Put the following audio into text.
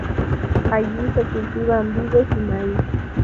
Allí se cultivan vides y maíz.